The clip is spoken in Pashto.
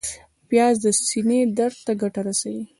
پیاز د سینې درد ته ګټه رسوي